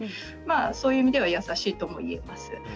そういう意味では優しいともいえます。